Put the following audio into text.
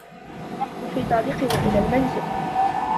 نحن في طريقنا إلى المنزل.